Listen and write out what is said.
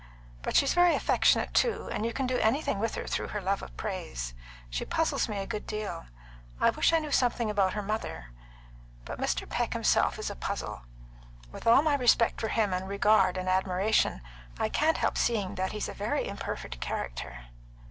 But she's very affectionate, too, and you can do anything with her through her love of praise. She puzzles me a good deal. I wish I knew something about her mother. But Mr. Peck himself is a puzzle. With all my respect for him and regard and admiration, I can't help seeing that he's a very imperfect character."